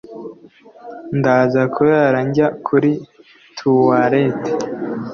Ndaza kurara njya kuri tuwarete